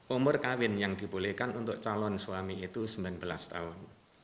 umur kawin yang dibolehkan untuk calon suami itu sembilan belas tahun